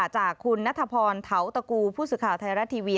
จากคุณณธพลเท่าตะกูผู้สุข่าวไทยรัฐทีวี